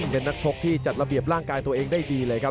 เป็นนักชกที่จัดระเบียบร่างกายตัวเองได้ดีเลยครับ